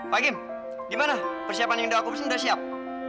pak kim gimana persiapan yang udah aku pesan udah siap